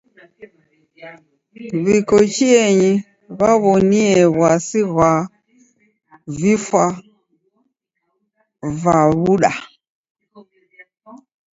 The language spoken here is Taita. W'iko chienyi w'aw'onie w'asi ghwa vifwa va w'uda.